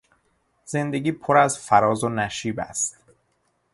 زندگی پر از فراز و نشیب است.